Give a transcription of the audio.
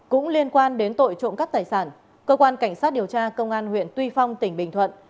cũng liên quan đến tội trộm cắt tài sản cơ quan cảnh sát điều tra công an huyện tuy phong tỉnh bình thuận